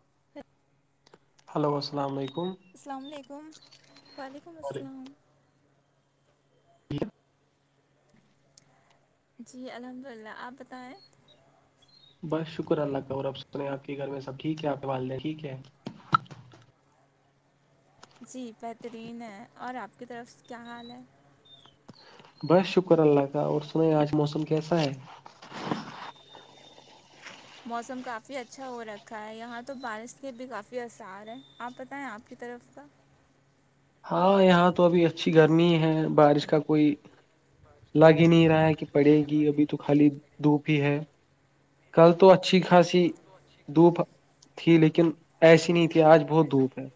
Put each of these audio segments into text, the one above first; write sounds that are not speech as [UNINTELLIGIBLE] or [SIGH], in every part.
[UNINTELLIGIBLE] hello السلام علیکم السلام علیکم وعلیکم السلام جی الحمد للہ آپ بتائیں بس شکر اللہ کا اور اب سنےیں آپ کے گھر میں سب ٹھیک ہے آپ کے والدہ ٹھیک ہے جی بہترین ہے اور آپ کی طرف کیا حال ہے بس شکر اللہ کا اور سنیں آج موسم کیسا ہے موسم کافی اچھا ہو رکھا ہے یہاں تو بارش کے بھی کافی آسار ہے آپ بتائیں آپ ک طرف ہاں یہاں تو ابھی اچھی گرمی ہے بارش کا کوئی لاگ ہی نہیں رہا ہے کہ پڑے گی ابھی تو خالی دھوپ ہی ہے کل تو اچھی خاصی دھوپ تھی لیکن ایسی نہیں تھی کہ آج بہت دھوپ ہے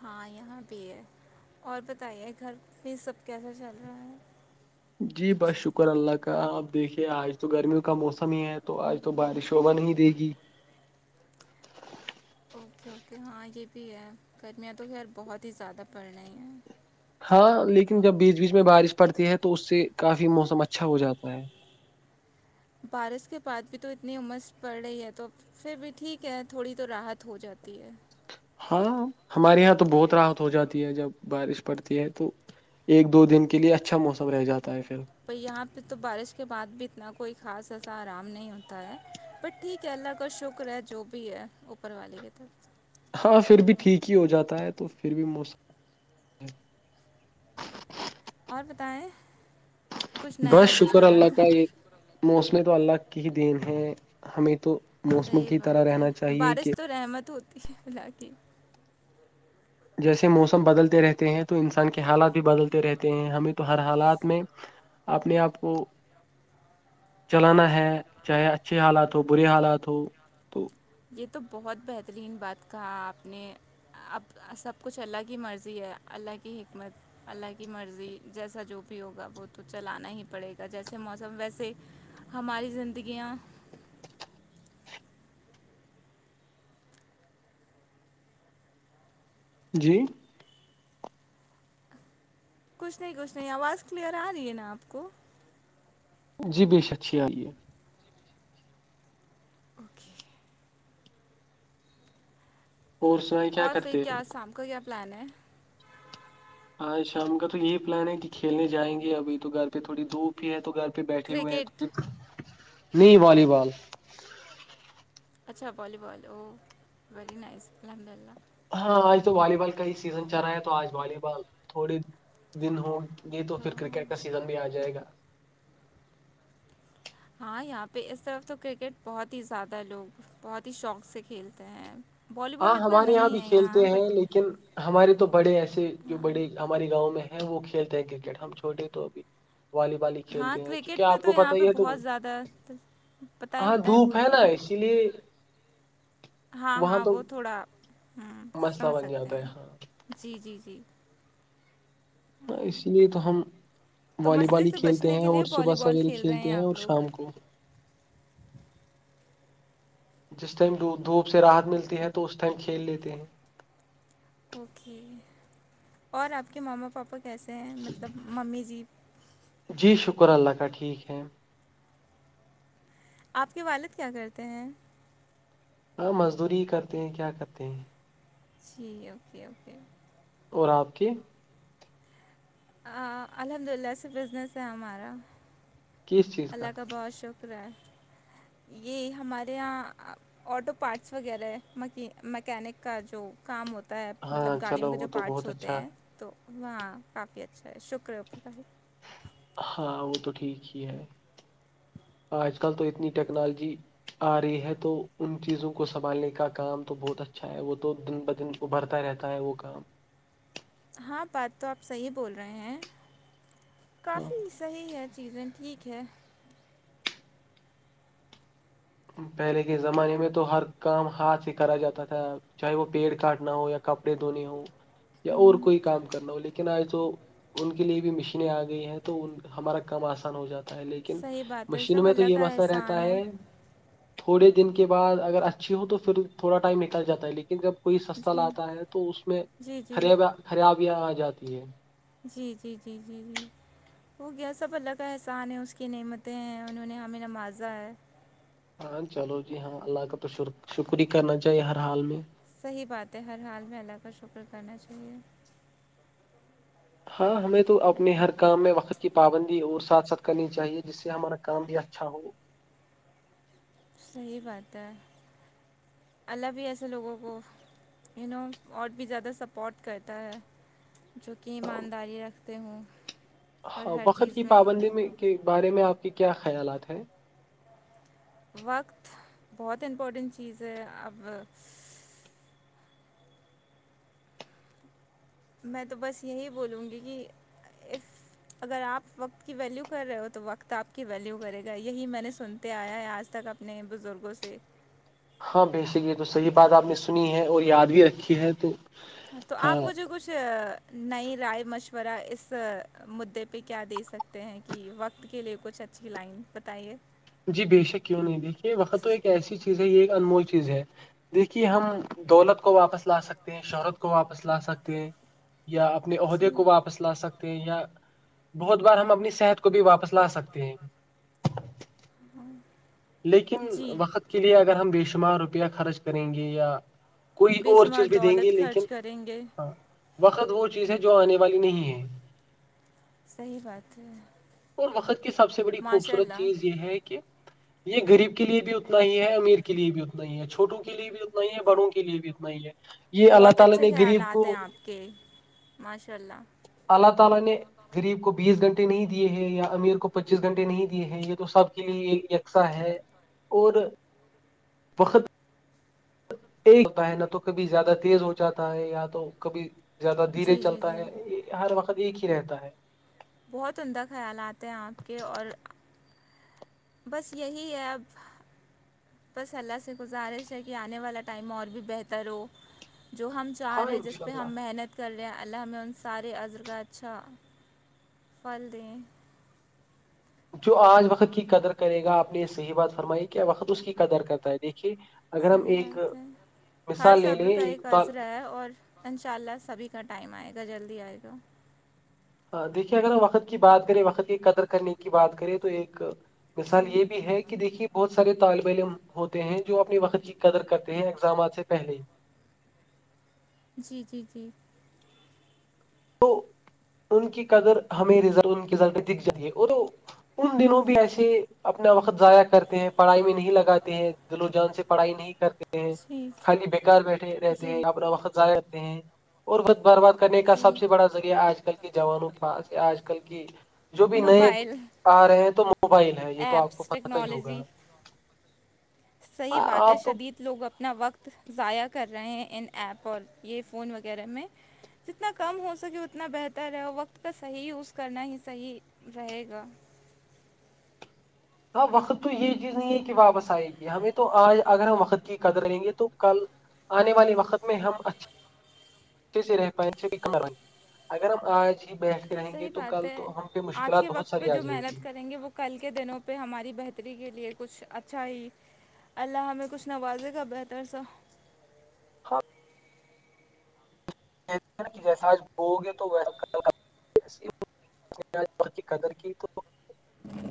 ہاں یہاں بھی ہے اور بتائیے گھر پ سب کیسا چل رہا ہے جی بس شکر اللہ کا آپ دیکھیے آج تو گرمیوں کا موسم ہی ہے تو آج تو بارش ہوبا نہیں دے گی اوکے اوکے ہاں یہ بھی ہے گرمیاں تو خیر بہت ہی زیادہ پڑ رہی ہیں ہاں لیکن جب بیچ بیچ میں بارش پڑتی ہے تو اس سے کافی موسم اچھا ہو جاتا ہے بارش کے بعد بھی تو اتنی عمر پڑھ رہی ہے تو پھر بھی ٹھیک ہے تھوڑی تو راحت ہو جاتی ہے ہاں ہمارے یہاں تو بہت راحت ہو جاتی ہے جب بارش پڑتی ہے تو ایک دو دن کے لیے اچھا موسم رہ جاتا ہے پھر پر یہاں پہ تو بارش کے بعد بھی اتنا کوئی خاص خاصا آرام نہیں ہوتا ہے بٹ ٹھیک ہے اللہ کا شکر ہے جو بھی ہے اوپر والے کے تر ہاں پھر بھی ٹھیک ہی ہو جاتا ہے تو پھر بھی موسم اور بتائیں کچھ نیا کچھ الگ موسم تو اللہ کی ہی دین ہے ہمیں تو موسموں صحیح کی طرح بات ہے رہنا چاہیے بارش کہ تو رحمت ہوتی ہے اللہ کی جیسے موسم بدلتے رہتے ہیں تو انسان کے حالات بھی بدلتے رہتے ہیں ہمیں تو ہر حالات میں آپ نے آپ کو چلانا ہے چاہے اچھے حالات ہو برے حالات ہو تو یہ تو بہت بہترین بات کہا آپ نے اب سب کچھ اللہ کی مرضی ہے اللہ کی حکمت اللہ کی مرضی جیسا جو بھی ہوگا وہ تو چلانا ہی پڑے گا جیسے موسم ویسے ہماری زندگیاں جی کچھ نہیں کچھ نہیں آواز کلیئر آ رہی ہے نا آپ کو جی بے شک اچھی آرہی ہے اوکے فورس اور پھر کیا شام کا کیا پلان ہے ہاں شام کا تو یہی پلان ہے کہ کھیلنے جائیں گے ابھی تو گھر پہ تھوڑی دھوپ ہے تو گھر پہ بیٹھے ہوئے ہیں تو کرکٹ پھر نہیں والی بال اچھا بالی بال او وری نائس الحمد اللہ ہاں آج تو والی بال کا ہی سیزن چل رہا ہے تو آج والی بال تھوڑی دن ہوگی تو پھر کرکٹ کا سیزن بھی آ جائے گا ہاں یہاں پہ اس طرف تو کرکٹ بہت ہی زیادہ لوگ بہت ہی شوق سے کھیلتے ہیں والی ہاں بال اتنا ہمارے نہیں بھی ہے یہاں کھیلتے ہیں بٹ لیکن ہمارے تو بڑے ایسے جو ہاں بڑے ہمارے گاؤں میں ہے وہ کھیلتے ہیں کرکٹ ہم چھوٹے توبھی والی بال ہی ہاں کھیلتے ہیں کیونکہ کرکٹ پہ آپ تو کو پت یہاں پہ ہی ہے تو بہت زیادہ بتیں ہاں بتائیں دھوپ ہے بولیے نا اسی لیے ہاں وہاں ہاں تو وہ تھوڑا ہوں مسئلہ سمجھ بن سکتے جاتا ہے ہاں ہیں جی جی جی اسی لیے تو ہم تو والی بال مسئلے ہی سے کھیلتے بچنے ہیں کے لیے اور صبح والی بال سویرے کھیل رہے کھیلتے ہیں آپ اور شام کو لوگ جس ٹائم دھوپ سے رحت ملتی ہے تو اس ٹائم کھیل لیتے ہیں اوکے اور آپ کے ماما پاپا کیسے ہیں مطلب ممی جی جی شکر اللہ کا ٹھیک ہے آپ کے والد کیا کرتے ہیں ہاں مزدوری کرتے ہیں کیا کرتے ہیں جی اوکے اوکے اور آپ کی الحمد للہ سے بزنس ہے ہمارا کس چیز اللہ کا بہت شکر ہے یہ ہمارے یہاں آٹو پارٹس وغیرہ ہے مک مکینک کا جو کام ہوتا ہے ہاں مطلب گاڑیوں چلو کے وہ جو تو پارٹس بہت ہوتے اچھا ہیں تو ہاں کافی اچھا ہے شکریہ ا کاائی ہاں وہ تو ٹھیک ہی ہے آج کل تو اتنی ٹیکنالوجی آ رہی ہے تو ان چیزوں کو سنبھالنے کا کام تو بہت اچھا ہے وہ تو دن بدن ابھرتا رہتا ہے وہ کام ہاں بات تو آپ صحیح بول رہے ہیں ہاں کافی صحیح ہے چیزیں ٹھیک ہے پہلے کے زمانے میں تو ہر کام ہاتھ ہی کرا جاتا تھا چاہے وہ پیڑ کاٹنا ہو یا کپڑے دھونے ہووں یا اور ہوں کوئی کام کرنا ہو لیکن آج وہ ان کے لیے بھی مشینیں آ گئی ہیں تو ہمارا کام آسان ہو جاتا لیکن صحیح بات ہے مشینوں سب میں تو اللہ یہ کا مسئلہ رہتا احسان ہے تھوڑے دن کے بعد اگر اچھی ہو تو پھر تھوڑا ٹائم نکل جا ہے لیکن جب کوئی سستا جی لاتا ہے تو اس میں جی جی خر خرابیا آ جاتی ہے جی جی جی جی جی ہو گیا سب اللہ کا احسان ہیں اس کی نعمتیں ہیں انہوں نے ہمیں نوازا ہے ہاں چلو جی ہاں اللہ کا تو شکریہ کرنا چاہیے ہر حال میں صحیح بات ہے ہر حال میں اللہ کا شکر کرنا چاہیے ہاں ہمیں تو اپنے ہر کام میں وقت کی پابندی اور ساتھ ساتھ کرنی چاہیے سے ہمارا کام بھی اچھا ہو صحیح بات ہے اللہ بھی ایسے لوگوں کو اینوں اور بھی زیادہ سپورٹ کرتا ہے جو کہ ایمانداری رکھتے ہوں اور ہاں ہر وقت کی چیز پابندی میں کے بارے میں آپ کے کیا خیالات ہیں وقت بہت امپورٹنٹ چیز ہے اب میں تو بس یہی بولوں گی کہ اف اگر آپ وقت کی ویلیو کر رہے ہو تو وقت آپ کی ویلیو کرے گا یہی میں نے سنتے آیا ہے آج تک آپ نئے بزرگوں سے ہاں بسک یہ تو صحیح بات آپ نے سنی ہے اور یاد بھی رکھی ہے تو تو ہاں آپ مجھے کچھ نئی رائے مشورہ اس مدے پہ کیا دے سکتے ہیں کہ وقت کے لیے کچھ اچھ جی لائن بتائیے جی بے شک کیوں نہیں دیکھیے وقت تو ایک ایسی چیز ہے یہ ایک انمول چیز ہے دیکھیے ہم دولت کو واپس لا سکتے ہیں شہرت کو واپس لا سکتے ہیں یا اپنے عہدے جی کو واپس لا سکتے یا بہت بار ہم اپنی صحت کو بھی واپس لا سکتے ہیں ہاں لیکن وقت کے لیے اگر ہم بے شمار روپیہ خرچ کریں گے یا کوئی بے اور چیز شمار بھی دیں گی دولت لیکن خرچ کریں گے ہاں وقت وہ چیز ہے جو آنے والی نہیں ہے صحیح بات ہے اور وقت کی سب سے بڑی ماشاء خوبصورت اللہ چیز یہ ہے کہ یہ غریب کے لیے بھی اتنا ہی ہے امیر کے لیے بھی اتنا ہی ہے چھوٹوں کے لیے بھی اتنا ہی ہے بڑوں کے لیے بھی اتنا ہی ج [UNINTELLIGIBLE] [INAUDIBLE] بہت اچھے خیالات ہیں آپ کے ماشاء اللہ [UNINTELLIGIBLE] غریب کو بیس گھنٹے نہیں دیے ہیں یا امیر کو پچیس گھنٹے نہیں دیے ہیں یہ تو سب کے لیے ا ہے [UNINTELLIGIBLE] [INAUDIBLE] اور وقت ایک بہنا تو کبھی زیادہ تیز ہو جاتا ہے یا تو کبھی زیادہ دھیرے جی جی چلتا ہے جی ہر وقت ایک ہی رہتا ہے بہت عمدہ خیالاتتے ہیں آپ کے اور بس یہی ہے اب بس اللہ سے گزارش ہے کہ آنے والا ٹائم اور بھی بہتر ہو جو ہم ہاں چار ہے جس انشاء پہ اللہ ہم محنت کر لیں اللہ ہم میں ان سارے عزر کا اچھا پھل دیں جو آج وقت کی قدر کرے گا آپ نے صحیح بات فرمائی کیا وقت اس کی قدر کرتا ہے دیکھیے اگر ہم صحیح ایک بات ہے ہر مثال لے صبر لیں کا ایک عذرا ہے اور انشاء اللہ سبھی کا ٹائم آئے گا جلدی آئے گا ہاں دیکھیے اگر ہم وقت کی بات کریں وقت کی قدر کرنے کی بات کریں تو ایک مثال جی یہ بھی ہے کہ دیکھیے بہت سارے طالب علم ہوتے ہیں جو اپنے وقت کی قدر کرتے ہیں اگزامات سے پہلے جی جی جی تو ان کی اگر ہمیں ر ان کی رزلٹ دکھ جاتی ہے وہ تو ان دنوں بھی ایسے اپنا وقت ضائع کرتے ہیں پڑھائی میں نہیں لگاتے ہیں د لوگ جان سے پڑھائی نہیں کرتے ہیں جی خالی بےیکار بیٹھے رہتے ہیں جی اپنا وقت ضائع ہوتے ہیں اور وت برباد کرنے کا سب جی سے بڑا ذریعہ آج کل کے جوانوں کے پاسیا آج کل کی جو بھی نئے موبائل آ رہے ہیں تو موبائل ہے یہ تو آپ کو ایپس پتتا ہی ہوگا ٹیکنالوجی صحیح ہاں بات ہے آپ تو شدید لوگ اپنا وقت ضائع کر رہے ہیں ان ایپ اور یہ فون وغیرہ میں جتنا کم ہو سکے اتنا بہتر ہے اور وقت کا صحیح یوز کرنا ہی صحیح رہے گا ہاں وقت تو یہ چیز نہیں ہے کہ واپس آئے گی ہمیں تو آج اگر ہم وقت کی قدر رہیں گے تو کل آنے والے وقت میں ہم اچھے اگر ہم آج ہی ب صحیح بات ہے آج کے وقت ساری پہ آ جو جائیں گی محنت کریں گے وہ کل کے دنوں پہ ہماری بہتری کے لیے کچھ اچھا ہی اللہ ہمیں کچھ نوازے گا بہتر سا ہاں کہ جیسا آج بو گے تو وی کی قدر کی تو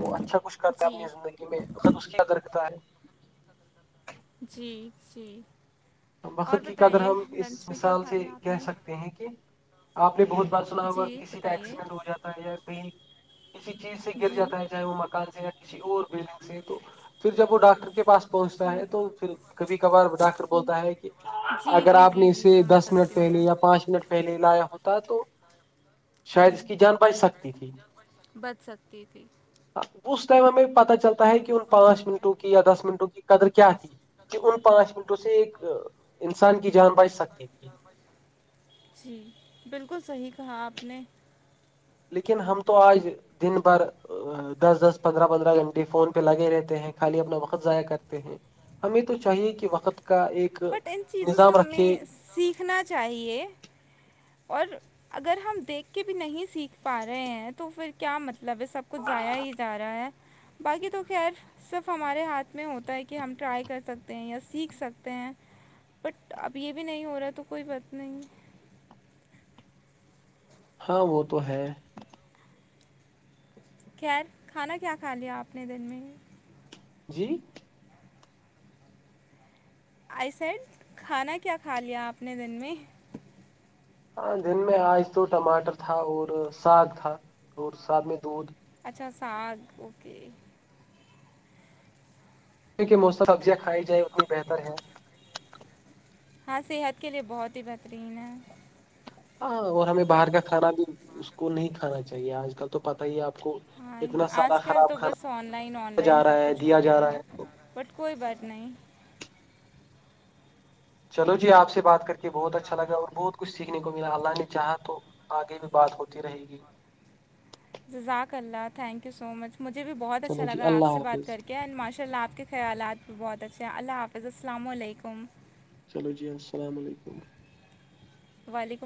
وہ اچھا کچھ کرتا جی اپنی زندگی میں بت اس کید رکھتا ہے جی جی تو اور وقت کی قدر بتائیے ہم اس لنچ میں کیا مثال کھا سے لیا آپ کہہ نے سکتے ہیں کہ آپ نے بہت بات سنا ہوگا جی کسی کا بتائیے ایکسیڈنٹ ہو جاتا ہے یا کہیں کسی چیز سے گر جی جاتا ہے چاہے وہ مکان سے گ کسی اور بڈگ سے تو پھر جب وہ ڈاکٹر کے پاس پہنچتا جی ہے تو پھر کبھی کبھار ڈاکٹر بول جی کہ جی اگر جی آپ نے جی جی اسے سمجھ دس منٹ سکتی ہوں پہلے میں یا پانچ منٹ پہلے لایا ہوتا ہے تو شاید جی اس کی جان بائی سکتی تھی بچ سکتی تھی اس ٹائم ہمیں پتہ چلتا ہے کہ ان پانچ من کی یا دس منٹوں کی قدر کیا تھی کہ ان پانچ منٹوں سے ایک انسان کی جان ب جی بالکل صحیح کہا آپ نے لیکن ہم تو آج دن بھر دس دس پندرہ پندرہ گھنٹے فون پہ لگے رہتے ہیں خالی اپنا وقت ضائع کرتے ہیں ہمیں تو چاہیے کہ وقت کا ایک بٹ ان چیزوں سے نظام رکھے ہمیں سیکھنا چاہیے اور اگر ہم دیکھ کے بھی نہیں سیکھ پا رہے ہیں تو تو پھر کیا مطلب ہے سب کچھ ضایا ہی جا رہا ہے باقی تو خیر صرف ہمارے ہاتھ میں ہوتا ہے کہ ہم ٹرائی کر سکتے ہیں یا سیکھ سکتے ہیں بٹ اب یہ بھی نہیں ہو رہا ہے تو کوئی بات نہیں ہاں وہ تو ہے خیر کھانا کیا کھا لیا آپ نے دن میں جی آئیس ایڈ کھانا کیا کھا لیا آپ نے دن میں ہاں دن میں آج تو ٹماٹر تھا اور ساگ تھا اور ساگ میں دودھ اچھا ساگ اوکے کیکہ موسم ابزیاں کھائی جائ اتنی بہتر ہے ہاں صحت کے لیے بہت ہی بہترین ہے ہاں اور ہمیں باہر کا کھانا بھی اس کو نہیں کھانا چاہیے آج کل تو پتہ ہی آپ کو ہاں اتنا سارا آج کل تو خراب بس آن لائن آن کھانا لائن جا رہا سب ہے کچھ ہو دیا جا گیا رہا ہے تو بٹ کوئی بات نہیں چلو جی آپ سے بات کر کے بہت اچھا لگا اور بہت کچھ سیکھنے کو ملا اللہ نے چاہا تو آگے بھی بات ہوتی رہے گی جزاک اللہ تنک یو سو مچ مجھے بھی بہت اچھا چلو جی لگا آپ اللہ سے بات حافظ کر کے اینڈ ماشاء اللہ آپ کے خیالات بھی بہت اچھے ہیں اللہ حافظ السلام علیکم چلو جی السلام علیکم وال کو